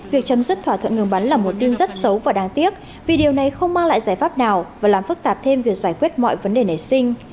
việc chấm dứt thỏa thuận ngừng bắn là một tin rất xấu và đáng tiếc vì điều này không mang lại giải pháp nào và làm phức tạp thêm việc giải quyết mọi vấn đề nảy sinh